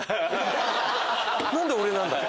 何で俺なんだよ！